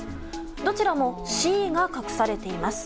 どちらも「Ｃ」が隠されています。